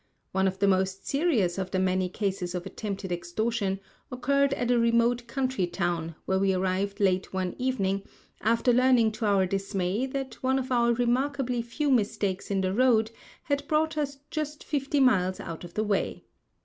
One of the most serious of the many cases of attempted extortion occurred at a remote country town, where we arrived late one evening, after learning to our dismay that one of our remarkably few mistakes in the road had brought us just fifty miles out of the way.